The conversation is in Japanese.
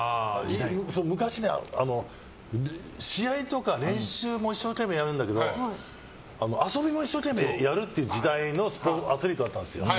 昔、試合とか練習も一生懸命やるんだけど遊びも一生懸命やる時代のアスリートだったんですよ。